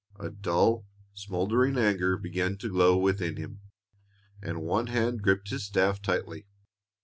A dull, smoldering anger began to glow within him, and one hand gripped his staff tightly.